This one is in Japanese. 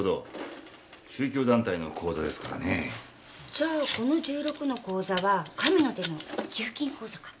じゃあこの１６の口座は神の手の寄付金口座か。